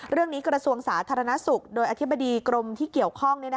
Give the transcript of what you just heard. กระทรวงสาธารณสุขโดยอธิบดีกรมที่เกี่ยวข้อง